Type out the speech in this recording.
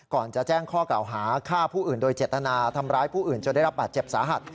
ก่อนจะแจ้งข้อกล่าวหาฆ่าผู้อื่นโดยเจตนาทำร้ายผู้อื่นจนได้รับบาดเจ็บสาหัส